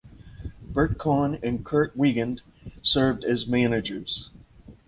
Bert Conn and Curt Wiegand served as managers.